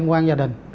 trong quan gia đình